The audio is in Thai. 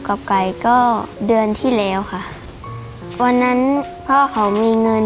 ครอบครัวหนูมันก็ลำบากค่ะไม่มีเงิน